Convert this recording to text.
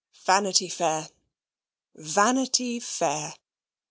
Vanity Fair Vanity Fair!